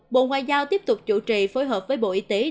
bộ ngoại giao tiếp tục chủ trì phối hợp với bộ y tế